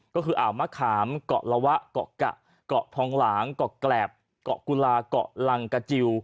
ก็คืออ่าวมะขามเกาะละวะเกาะกะเกาะทองหลางเกาะแกรบเกาะกุลาเกาะลังกะจิล